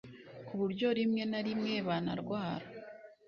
kuburyo rimwe na rimwe banarwara